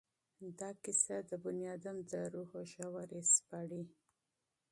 دا داستان د انسان د روح ژورې سپړي.